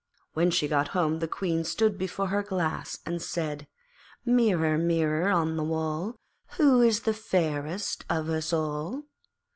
When she got home the Queen stood before her Glass and said 'Mirror, Mirror on the wall, Who is fairest of us all?'